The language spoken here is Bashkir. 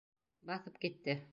Баҫып китте